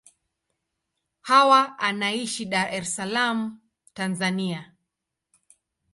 Hawa anaishi Dar es Salaam, Tanzania.